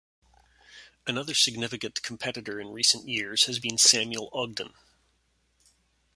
Another significant competitor in recent years has been Samuel Ogden.